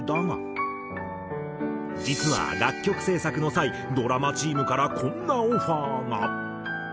実は楽曲制作の際ドラマチームからこんなオファーが。